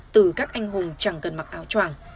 từ các anh hùng chẳng cần mặc áo tràng